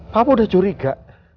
papa udah curiga